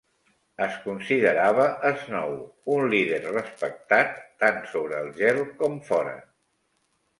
Es considerava Snow un líder respectat tant sobre el gel com fora.